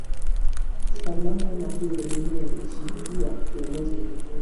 sambabmba na huyo dunia ilishuhudia kiongozi mwingine